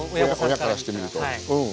親からしてみるとうん。